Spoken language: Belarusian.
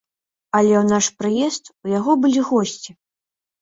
Але ў наш прыезд у яго былі госці.